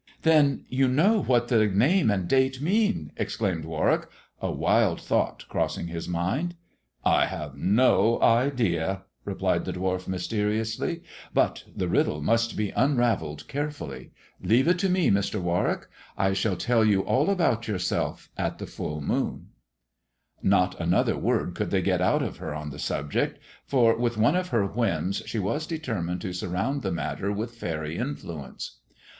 "Then you know what the name and date mean?" exclaimed Warwick, a wild thought crossing his mind. " I have an idea," replied the dwarf mysteriously; " but the riddle must be unravelled carefully. Leave it to me, Mr. Warwick. I shall tell you all about yourself at the full moon." THE dwarf's chamber 101 !Not another word could they get out of her on the sub ject, for with one of her whims she was determined to sur round the matter with faery influence.